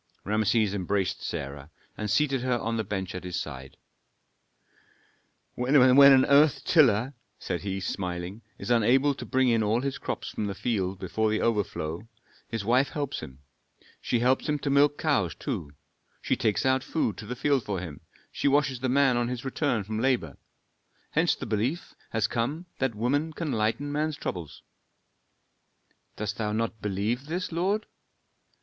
Rameses embraced Sarah, and seated her on the bench at his side. "When an earth tiller," said he, smiling, "is unable to bring in all his crops from the field before the overflow, his wife helps him. She helps him to milk cows too, she takes out food to the field for him, she washes the man on his return from labor. Hence the belief has come that woman can lighten man's troubles." "Dost thou not believe this, lord?"